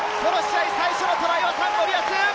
最初のトライはサンゴリアス！